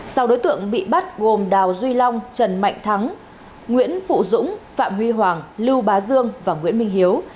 sau đối tượng bị bắt gồm đào duy long trần mạnh thắng nguyễn phụ dũng phạm huy hoàng lưu bá dương và nguyễn minh hiếu